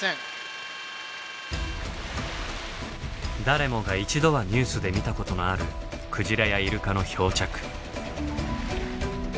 誰もが一度はニュースで見たことのあるクジラやイルカの漂着。